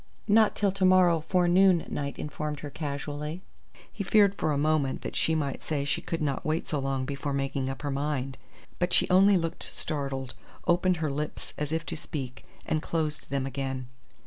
"Not till to morrow forenoon," Knight informed her casually. He feared for a moment that she might say she could not wait so long before making up her mind; but she only looked startled, opened her lips as if to speak, and closed them again.